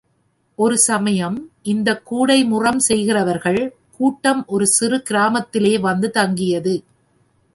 ஒரு சமயம் இந்தக் கூடைமுறம் செய்கிறவர்கள் கூட்டம் ஒரு சிறு கிராமத்திலே வந்து தங்கியது.